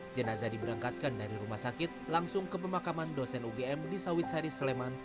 jenazah diberangkatkan dari rumah sakit langsung ke pemakaman dosen ugm di sawit sari sleman